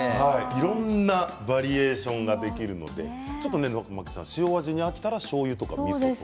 いろんなバリエーションができるので塩味に飽きたらしょうゆとかみそで。